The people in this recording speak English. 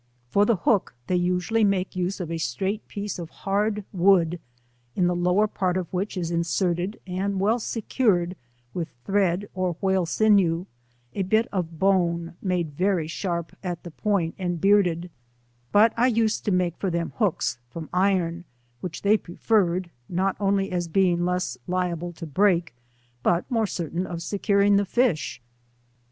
For the hook, they usually make use of a straight piece of hard wood, in the lower part of which is inserted and well secured, with thread or whale sinew, a bit of bone made very sharp at the point and bearded; but I used to make for them hooks from iron, which they pre ferred, not only as being less liable to break, but more certain of securing the fish.